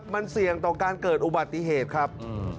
มันเสี่ยงต่อการเกิดอุบัติเหตุครับ